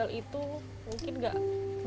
jadi sakit ditahan saja